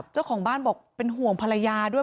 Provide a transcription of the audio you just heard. เจ้าของบ้านบอกเป็นห่วงภรรยาด้วย